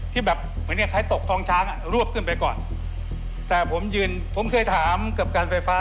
ที่แบบเหมือนเนี้ยใครตกท้องช้างอ่ะรวบขึ้นไปก่อนแต่ผมยืนผมเคยถามกับการไฟฟ้า